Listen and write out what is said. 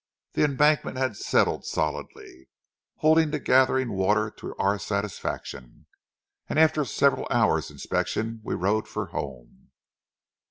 The embankment had settled solidly, holding the gathering water to our satisfaction, and after several hours' inspection we rode for home.